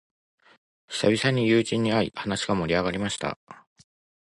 久々に友人に会い、話が盛り上がりました。